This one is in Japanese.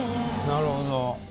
なるほど。